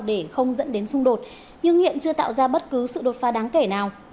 để không dẫn đến xung đột nhưng hiện chưa tạo ra bất cứ sự đột phá đáng kể nào